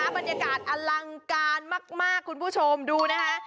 บรรยากาศอลังการมากคุณผู้ชมดูนะคะ